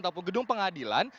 ataupun gedung pengadilan